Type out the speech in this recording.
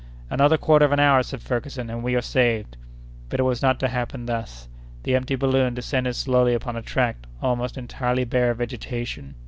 "Another quarter of an hour," said Ferguson, "and we are saved!" But it was not to happen thus; the empty balloon descended slowly upon a tract almost entirely bare of vegetation.